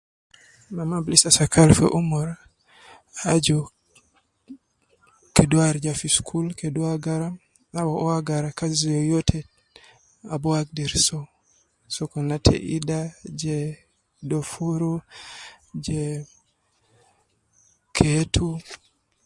Mama ab lisa fi umur aju kedo warija fi school, kedo wagara aw uwo agara kazi yoyote ab wagder so sokona ta ida je dofuru hh je ketu